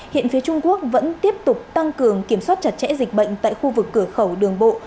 hiện phía trung quốc vẫn tiếp tục tăng cường kiểm soát chặt chẽ dịch bệnh tại khu vực cửa khẩu đường bộ